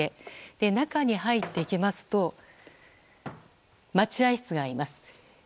中に入っていきますと待合室があります。